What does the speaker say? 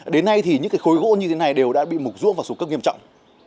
đến nay thì những khối gỗ như thế này đều đã bị mục ruốc và xuống cấp nghiêm trọng